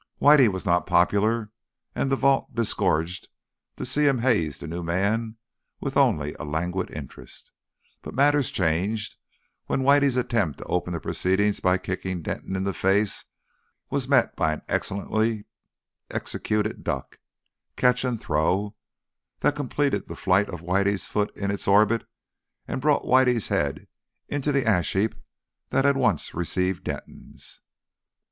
Whitey was not popular, and the vault disgorged to see him haze the new man with only a languid interest. But matters changed when Whitey's attempt to open the proceedings by kicking Denton in the face was met by an excellently executed duck, catch and throw, that completed the flight of Whitey's foot in its orbit and brought Whitey's head into the ash heap that had once received Denton's.